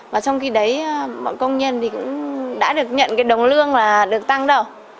và trong khi đấy bọn công nhân thì cũng đã được nhận cái đồng lương là được tăng đầu